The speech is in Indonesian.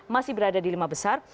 masih berada di lima besar